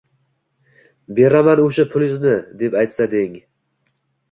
beraman o‘sha pulizni deb aytsa deng.